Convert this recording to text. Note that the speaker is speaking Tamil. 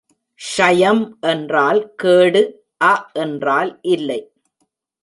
க்ஷயம் என்றால் கேடு அ என்றால் இல்லை.